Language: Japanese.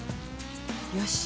よし。